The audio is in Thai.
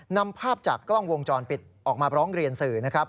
นำภาพจากกล้องวงจรปิดออกมาร้องเรียนสื่อนะครับ